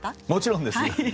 もちろんです。